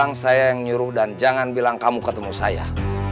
orang saya yang nyuruh dan jangan bilang kamu ketemu saya